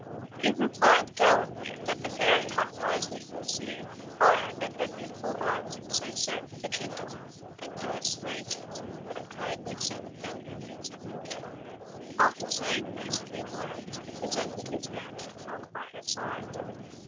He replied gallantly that the fairy had wisely foreseen the fire that her beautiful eyes were so certain to kindle, and to assuage it had kindly sent deluges of water. After saying these few words, he presented his hand to walk by her side.